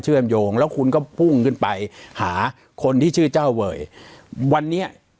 โยงแล้วคุณก็พุ่งขึ้นไปหาคนที่ชื่อเจ้าเวยวันนี้